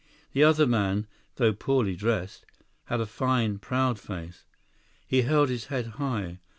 The other man, though poorly dressed, had a fine, proud face. He held his head high.